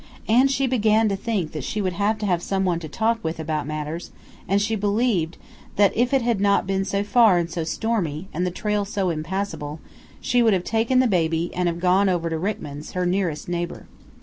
And she began to think that she would like to have someone to talk with about matters, and she believed that if it had not been so far and so stormy, and the trail so impassable, she would have taken the baby and have gone over to Ryckman's, her nearest neighbor.